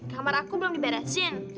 kamar aku belum diberesin